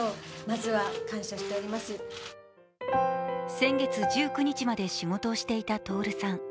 先月１９日まで仕事をしていた徹さん。